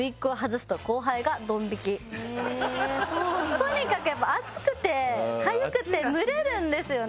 とにかくやっぱ暑くてかゆくて蒸れるんですよね。